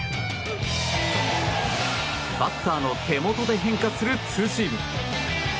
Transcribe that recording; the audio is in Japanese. バッターの手元で変化するツーシーム。